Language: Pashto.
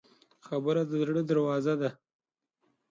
خبره د زړه دروازه ده.